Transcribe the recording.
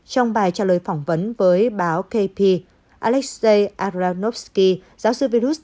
trong bài trả lời phỏng vấn với báo kp alexei aranovsky giáo sư virus